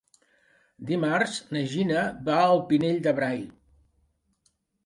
Dimarts na Gina va al Pinell de Brai.